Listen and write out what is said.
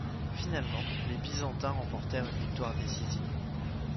Finalement, les Byzantins remportèrent une victoire décisive.